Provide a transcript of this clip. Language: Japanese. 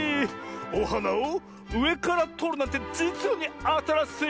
おはなをうえからとるなんてじつにあたらしい！